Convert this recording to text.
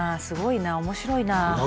すごいな面白いなあ。